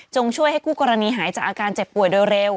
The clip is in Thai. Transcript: ช่วยให้คู่กรณีหายจากอาการเจ็บป่วยโดยเร็ว